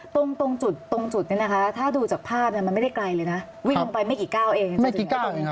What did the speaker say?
ตรงจุดนี่นะคะถ้าดูจากภาพมันไม่ได้ไกลเลยนะ